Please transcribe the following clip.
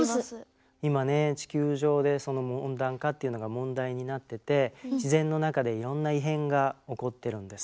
今ね地球上でその温暖化っていうのが問題になってて自然の中でいろんな異変が起こってるんです。